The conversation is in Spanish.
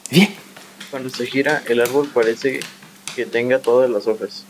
Cuando se gira, el árbol parece que tenga todas las hojas.